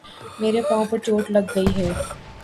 میرے پاؤں پر چوٹ لگ گئی ہے